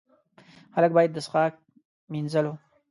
خلک باید د څښاک، مینځلو.